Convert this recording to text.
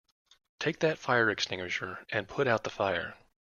Take that fire extinguisher and put out the fire!